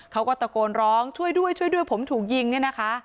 เขาก็ตะโกนร้องช่วยด้วยช่วยด้วยผมถูกยิงเนี่ยนะคะ